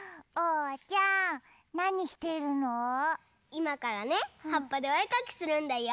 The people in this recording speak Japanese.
いまからねはっぱでおえかきするんだよ。